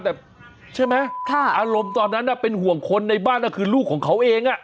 แต่ใช่ไหมอารมณ์ตอนนั้นเป็นห่วงคนในบ้านก็คือลูกของเขาเอง